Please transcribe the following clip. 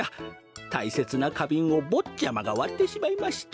たいせつなかびんをぼっちゃまがわってしまいまして。